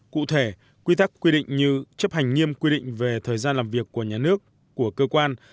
cụ thể quy tắc quy định như chấp hành nghiêm quy định về thời gian làm việc của nhà nước của cơ quan